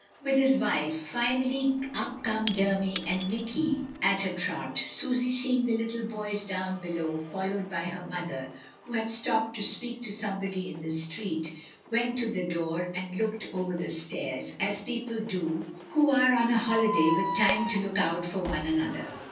with his wife; finally, up come Dermy and Mikey at a trot Susy, seeing the little boys down below, followed by her mother, who had stopped to speak to somebody in the street, went to the door and looked over the stairs, as people do who are on a holiday with time to look out for one another.